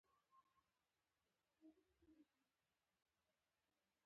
انار سره دي.